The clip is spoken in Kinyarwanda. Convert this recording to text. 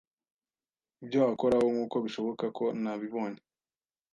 Ibyo akoraho nkuko bishoboka ko nabibonye